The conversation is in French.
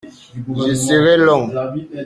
Je serai long.